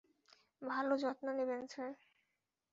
ভালো, যত্ন নিবেন, স্যার।